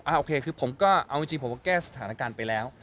โอเคคือผมก็เอาจริงผมก็แก้สถานการณ์ไปแล้ว